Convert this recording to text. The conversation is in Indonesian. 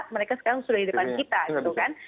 mereka sekarang sudah di depan kita gitu kan